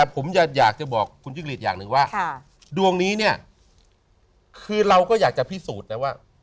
ผมอยากจะบอกคุณจิ้งหลีดอย่างหนึ่งว่าดวงนี้เนี่ยคือเราก็อยากจะพิสูจน์นะว่า